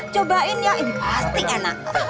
cobain ya ini pasti enak